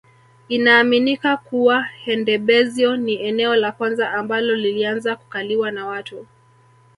Inaaminika kuwa Handebezyo ni eneo la kwanza ambalo lilianza kukaliwa na watu